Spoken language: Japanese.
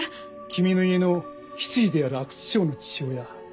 君の家の執事である阿久津翔の父親